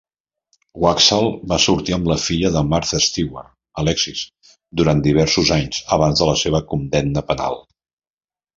Waksal va sortir amb la filla de Martha Stewart, Alexis, durant diversos anys abans de la seva condemna penal.